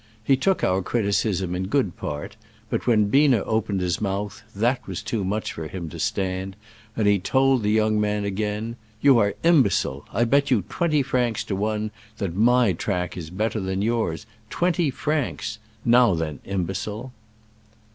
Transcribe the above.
He took our criticism in good part, but when Biener opened his mouth, that was too much for him to stand, and he told the young man again, " You are imbecile : I bet you t>yenty francs to one that my track is better than yours — twenty francs ! Now then, im becile